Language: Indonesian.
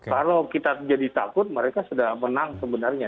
kalau kita jadi takut mereka sudah menang sebenarnya